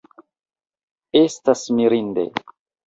Estas mirinde.